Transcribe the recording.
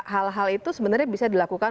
hal hal itu sebenarnya bisa dilakukan